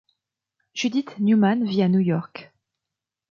Judith Newman vit à New York.